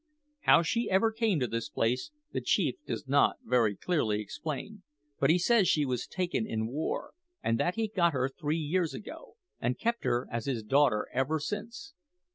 How she ever came to this place the chief does not very clearly explain; but he says she was taken in war, and that he got her three years ago, an' kept her as his daughter ever since.